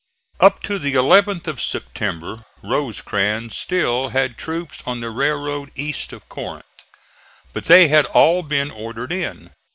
Up to the 11th of September Rosecrans still had troops on the railroad east of Corinth, but they had all been ordered in.